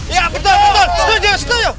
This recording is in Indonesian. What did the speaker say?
iya betul betul setuju setuju